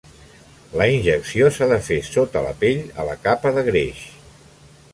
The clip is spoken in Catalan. La injecció s'ha de fer sota la pell, a la capa de greix.